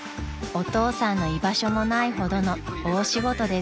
［お父さんの居場所もないほどの大仕事です］